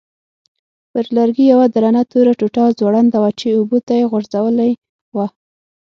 پر لرګي یوه درنه توره ټوټه ځوړنده وه چې اوبو ته یې غورځولې وه.